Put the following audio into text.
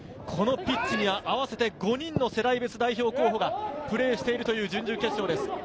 このピッチには合わせて５人の世代別代表候補がプレーしているという準々決勝です。